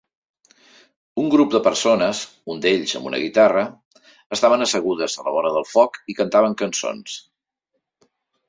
Un grup de persones, un d'ells amb una guitarra, estaven assegudes a la vora del foc i cantaven cançons.